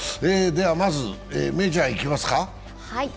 ではまずメジャー、いきますか。